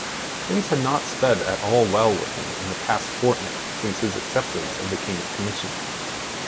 Things had not sped at all well with him in the past fortnight since his acceptance of the King's commission.